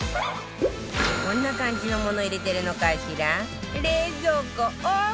どんな感じのもの入れてるのかしら？